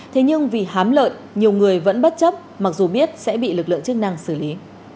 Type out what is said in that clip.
thế nhưng vì hám lợi nhiều người vẫn bất chấp mặc dù biết sẽ bị lực lượng chức năng xử lý